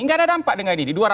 tidak ada dampak dengan ini